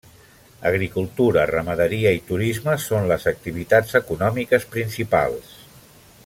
Agricultura, ramaderia i turisme són les activitats econòmiques principals.